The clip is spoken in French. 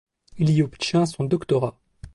Il y obtient son doctorat.